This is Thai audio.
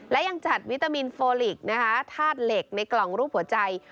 และยังจัดวิตามินโฟลิกนะคะธาตุเหล็กในกล่องรูปหัวใจ